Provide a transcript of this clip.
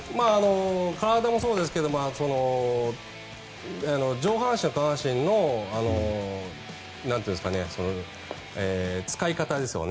体もそうですけど上半身と下半身の使い方ですよね。